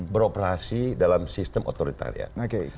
beroperasi dalam sistem otoritaris